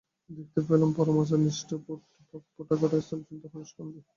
দেখতে পেলুম পরম আচারনিষ্ঠ ফোঁটাকাটা স্থূলতনু হরিশ কুণ্ডু।